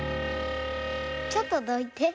ちょっとどいてどいて。